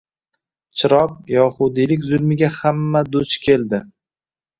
Chiroq yahudiylik zulmiga hamma duch keldi